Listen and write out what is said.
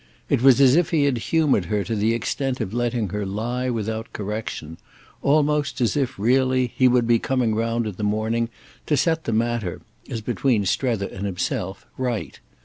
It was as if he had humoured her to the extent of letting her lie without correction—almost as if, really, he would be coming round in the morning to set the matter, as between Strether and himself, right.